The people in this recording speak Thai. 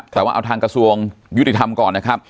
แต่ว่าเอาทางกระสวงยุติธรรมก่อน